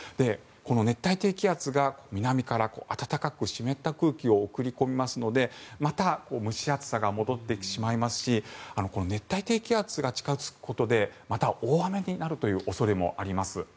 熱帯低気圧が南から暖かく湿った空気を送り込みますのでまた蒸し暑さが戻ってきてしまいますし熱帯低気圧が近付くことでまた大雨になるという恐れもあります。